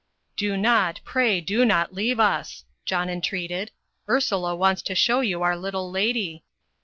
"Do not, pray do not leave us," John entreated; "Ursula wants to show you our little lady."